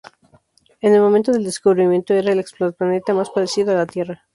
En el momento del descubrimiento era el exoplaneta más parecido a la Tierra.